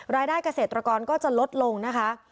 รายได้เกษตรกรก็จะลดลงนะคะ